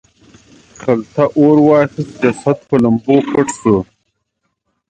خلته اور واخیست جسد په لمبو پټ شو.